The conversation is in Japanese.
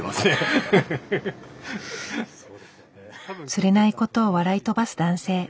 釣れないことを笑い飛ばす男性。